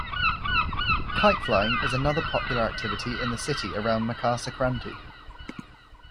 Kite flying is another popular activity in the city around Makar Sakranti.